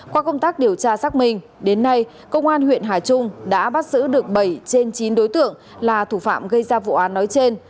qua công tác điều tra xác minh đến nay công an huyện hà trung đã bắt giữ được bảy trên chín đối tượng là thủ phạm gây ra vụ án nói trên